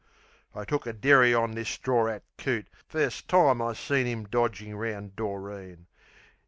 I took a derry on this stror 'at coot First time I seen 'im dodgin' round Doreen.